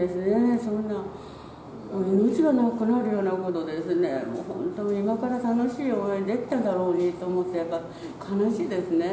そんな、命がなくなるようなことをですね、もう本当に、今から楽しいことができただろうにと思うと、やっぱり悲しいですね。